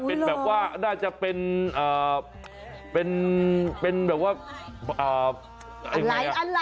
เป็นแบบว่าน่าจะเป็นเอ่อเป็นเป็นแบบว่าเอ่ออะไรอะไร